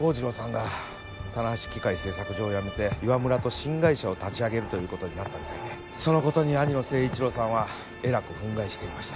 がたなはし機械製作所を辞めて岩村と新会社を立ち上げるということになったみたいでそのことに兄の政一郎さんはえらく憤慨していました